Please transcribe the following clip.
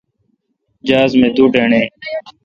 جہاز می دو ڈنڈ پہ این